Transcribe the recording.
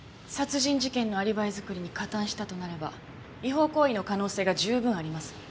殺人事件のアリバイ作りに加担したとなれば違法行為の可能性が十分あります。